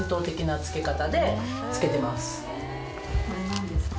これ何ですか？